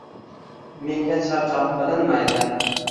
Menga charchoq bilinmaydi